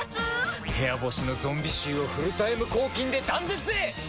部屋干しのゾンビ臭をフルタイム抗菌で断絶へ！